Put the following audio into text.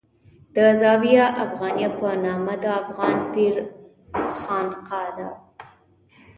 د زاویه افغانیه په نامه د افغان پیر خانقاه ده.